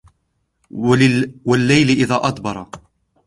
وَاللَّيْلِ إِذْ أَدْبَرَ